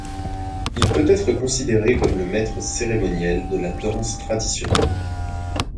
Il peut être considéré comme le maitre cérémoniel de la danse traditionnelle.